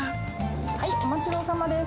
はい、お待ちどおさまです。